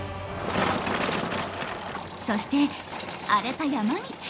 そして荒れた山道。